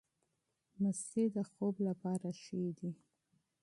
مستې د خوب لپاره ښې دي.